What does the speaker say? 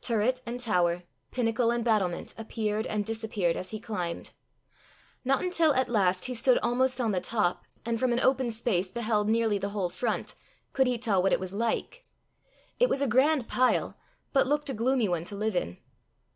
Turret and tower, pinnacle and battlement, appeared and disappeared as he climbed. Not until at last he stood almost on the top, and from an open space beheld nearly the whole front, could he tell what it was like. It was a grand pile, but looked a gloomy one to live in.